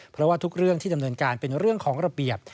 เพราะว่าทุกเรื่องที่ดำเนินการเป็นเรื่องของระเบียบ